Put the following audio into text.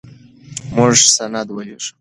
موږ سند ولېږه.